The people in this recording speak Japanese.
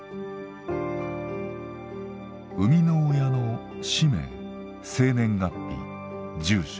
生みの親の氏名生年月日住所